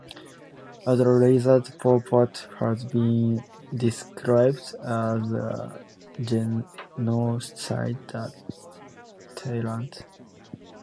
As a result, Pol Pot has been described as a genocidal tyrant.